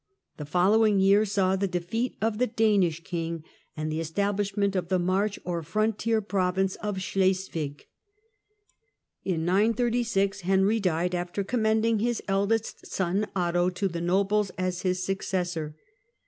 The following year ^aw the defeat of the Danish king, and the establishment of the " march " or frontier province of Schleswig. I In 936 Henry died, after commending his eldest son, bto, to the nobles as his successor.